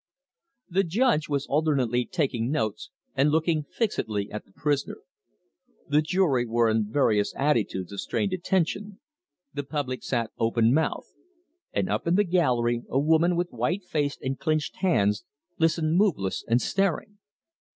The judge was alternately taking notes and looking fixedly at the prisoner; the jury were in various attitudes of strained attention; the public sat open mouthed; and up in the gallery a woman with white face and clinched hands listened moveless and staring.